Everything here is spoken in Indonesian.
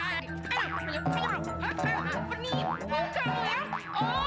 ki hapus dulu tuh makeupnya